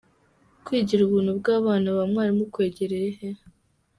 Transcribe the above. Kwigira ubuntu kw’abana ba mwalimu kwarengeye he?.